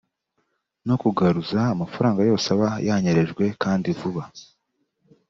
no kugaruza amafaranga yose aba yanyerejwe kandi vuba